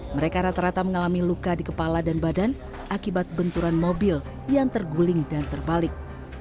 mereka rata rata mengalami luka di kepala dan badan akibat benturan mobil yang terguling dan terbalik